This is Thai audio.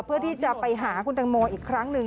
เพื่อที่จะไปหาคุณตังโมอีกครั้งหนึ่ง